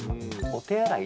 お手洗い。